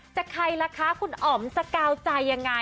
ใจใครละคะคุณอ๋อมสก้าวใจอย่างไร